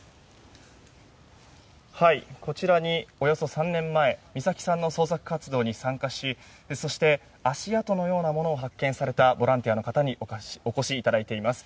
こちらにおよそ３年前美咲さんの捜索活動に参加しそして足跡のようなものを発見されたボランティアの方にお越しいただいています。